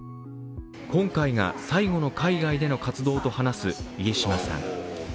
今回が最後の海外での活動と話す家島さん。